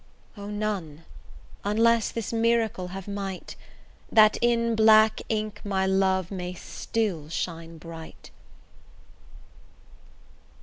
O! none, unless this miracle have might, That in black ink my love may still shine bright.